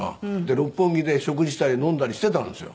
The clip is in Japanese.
六本木で食事したり飲んだりしてたんですよ。